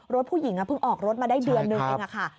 รถผู้หญิงเพิ่งออกรถมาได้เดือนนึงเองค่ะ